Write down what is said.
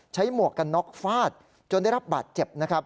ใช้หมวกกันน็อคฟาสจนได้รับบราชเจ็บ